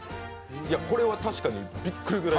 これは確かに、びっくりするくらい。